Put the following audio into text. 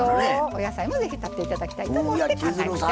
お野菜もぜひとって頂きたいと思って考えました。